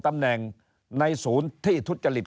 ตำแหน่งในศูนย์ที่ทุจริต